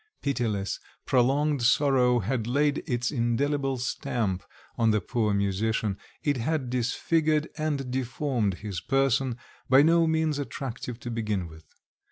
Pitiless, prolonged sorrow had laid its indelible stamp on the poor musician; it had disfigured and deformed his person, by no means attractive to begin with.